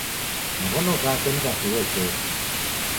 Maw'ono ghake ni ghake uekeri